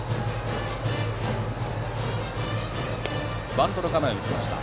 バントの構えを見せました。